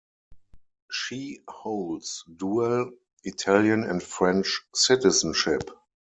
She holds dual Italian and French citizenship.